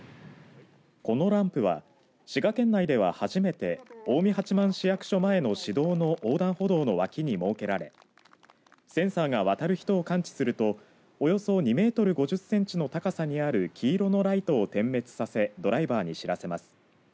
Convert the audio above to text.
このランプは滋賀県内では初めて近江八幡市役所前の市道の横断歩道の脇に設けられセンサーが渡る人を感知するとおよそ２メートル５０センチの高さにある黄色のライトを点滅させドライバーに知らせます。